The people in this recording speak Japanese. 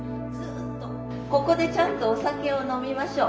ここでちゃんとお酒を飲みましょう。